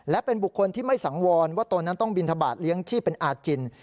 และเป็นบุคคลที่ไม่สังวรว่าตนนั้นต้องบินทบาทเลี้ยงชีพเป็นอาจิน